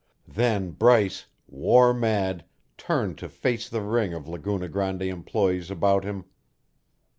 Then Bryce, war mad, turned to face the ring of Laguna Grande employees about him.